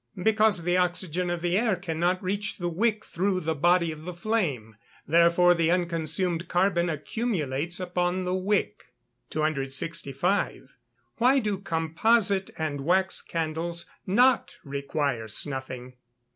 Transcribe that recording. _ Because the oxygen of the air cannot reach the wick through the body of flame therefore the unconsumed carbon accumulates upon the wick. 265. _Why do composite and wax candles not require snuffing?